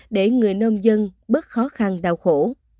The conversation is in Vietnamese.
để người nông dân bớt khó khăn đau khổ